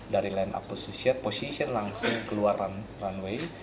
dari land position langsung keluar runway